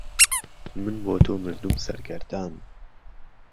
من بۆ تۆ مردوم سهرگهردان